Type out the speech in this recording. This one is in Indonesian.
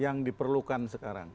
yang diperlukan sekarang